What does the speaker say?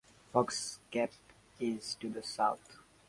Fox's Gap is to the south.